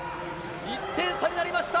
１点差になりました。